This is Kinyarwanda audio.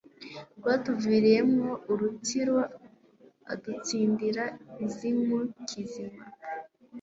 Rwatuviriye mwo urutsiroAdutsindira inzimu*, Kizima.